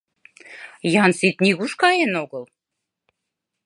Янсит нигуш каен огыл.